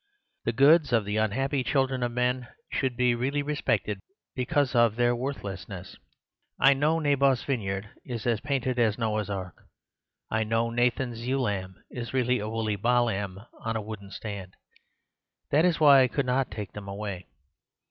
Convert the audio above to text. The goods of the unhappy children of men should be really respected because of their worthlessness. I know Naboth's vineyard is as painted as Noah's Ark. I know Nathan's ewe lamb is really a woolly baa lamb on a wooden stand. That is why I could not take them away.